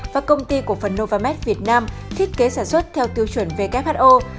và công ty của phần novamed việt nam thiết kế sản xuất theo tiêu chuẩn who